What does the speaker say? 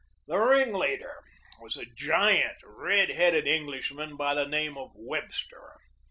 The ringleader was a giant, red headed Englishman by the name of Webster.